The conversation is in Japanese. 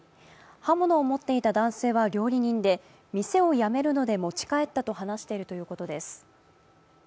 刃物を持っていた男性は料理人で店を辞めるので持ち帰ったと話しているということです。